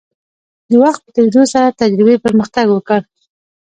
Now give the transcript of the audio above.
د وخت په تیریدو سره تجربې پرمختګ وکړ.